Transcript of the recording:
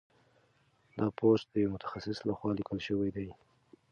دا پوسټ د یو متخصص لخوا لیکل شوی دی.